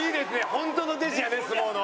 本当の弟子やで相撲の。